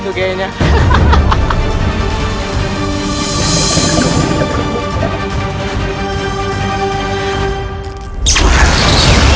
makan tuh gaya nya